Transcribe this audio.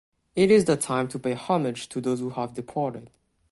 It is the time to pay homage to those who have departed.